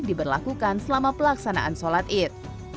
diberlakukan selama pelaksanaan sholat id